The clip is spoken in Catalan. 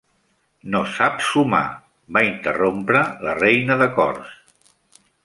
"No sap sumar" va interrompre la Reina de Cors.